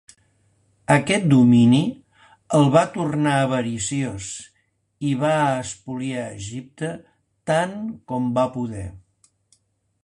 Aquest domini el va tornar avariciós i va espoliar Egipte tant com va poder.